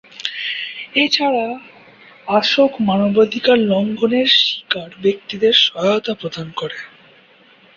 এছাড়া আসক মানবাধিকার লঙ্ঘন-এর শিকার ব্যক্তিদের সহায়তা প্রদান করে থাকে।